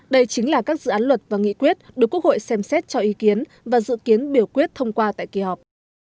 đây chính là các dự án luật và nghị quyết được quốc hội xem xét cho ý kiến và dự kiến biểu quyết thông qua tại kỳ họp